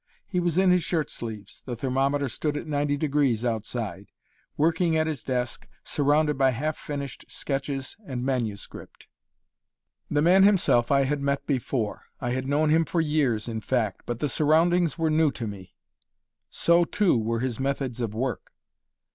He was in his shirt sleeves the thermometer stood at 90° outside working at his desk, surrounded by half finished sketches and manuscript. The man himself I had met before I had known him for years, in fact but the surroundings were new to me. So too were his methods of work.